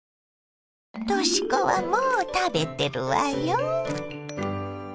とし子はもう食べてるわよ。